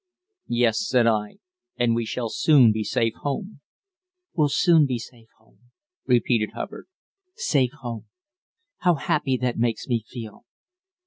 "Yes," said I, "and we shall soon be safe home." "We'll soon be safe home" repeated Hubbard "safe home. How happy that makes me feel!"